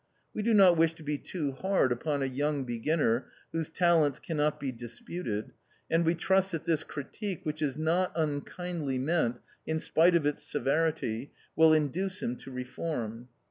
We do not wish to be too hard upon a young beginner whose talents cannot be disputed, and we trust that this critique, which is not unkindly meant, in spite of its severity, will induce him to reform.